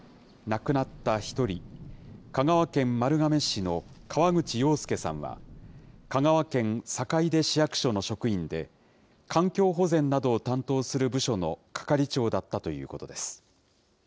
亡くなった１人、香川県丸亀市の河口洋介さんは、香川県坂出市役所の職員で、環境保全などを担当する部署の係長だったということです。